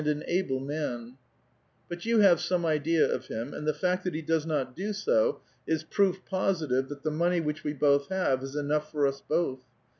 an able man ; but you have some idea of him, and the fact that he does not do so, is proof positive that the money which we both have is enough for ns both.